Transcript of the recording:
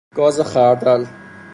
گاز خردل